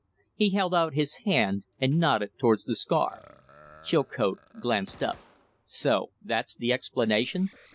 He held out his hand and nodded towards the scar. Chilcote glanced up. "So that's the explanation?"